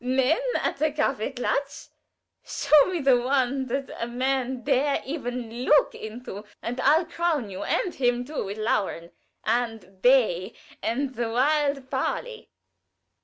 _ Men at a kaffeeklatsch! Show me the one that a man dare even look into, and I'll crown you and him too with laurel, and bay, and the wild parsley.